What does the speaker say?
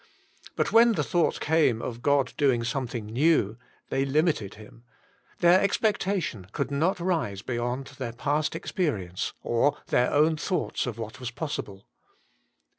But when the thought came of God doing something new, they limited Him ; their expectation could not rise beyond their past experience, or their own thoughts of what was possible.